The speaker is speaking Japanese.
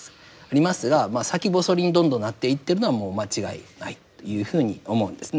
ありますがまあ先細りにどんどんなっていってるのはもう間違いないというふうに思うんですね。